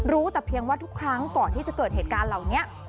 แต่เพียงว่าทุกครั้งก่อนที่จะเกิดเหตุการณ์เหล่านี้